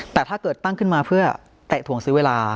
แต่ถ้าเกิดตั้งขึ้นมาเพื่อเตะถ่วงซื้อเวลา